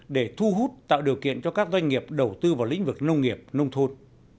để thu hút tạo điều kiện cho các doanh nghiệp đầu tư vào lĩnh vực nông nghiệp nông thôn